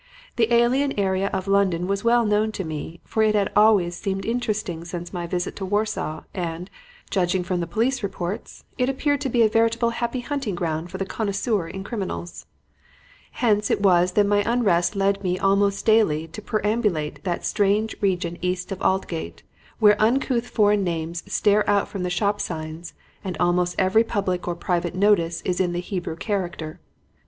The alien area of London was well known to me, for it had always seemed interesting since my visit to Warsaw, and, judging from the police reports, it appeared to be a veritable happy hunting ground for the connoisseur in criminals. "Hence it was that my unrest led me almost daily to perambulate that strange region east of Aldgate where uncouth foreign names stare out from the shop signs and almost every public or private notice is in the Hebrew character.